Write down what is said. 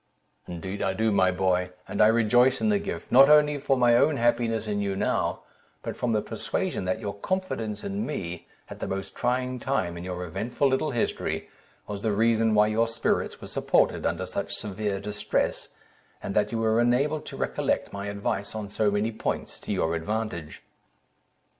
"Indeed I do, my boy; and I rejoice in the gift, not only for my own happiness in you now, but from the persuasion that your confidence in me, at the most trying time in your eventful little history, was the reason why your spirits were supported under such severe distress, and that you were enabled to recollect my advice on many points, to your advantage."